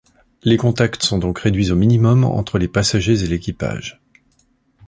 Les contacts sont donc réduits au minimum entre les passagers et l’équipage.